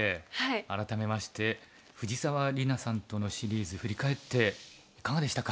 改めまして藤沢里菜さんとのシリーズ振り返っていかがでしたか？